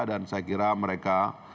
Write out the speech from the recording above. dan saya kira mereka